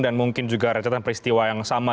dan mungkin juga retretan peristiwa yang sama